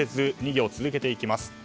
２行続けていきます。